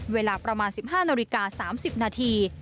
เวลาประมาณ๑๕นาฬิกา๓๐นาที